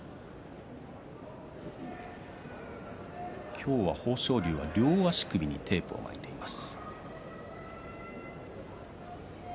今日は豊昇龍、両足首にテープを巻いています。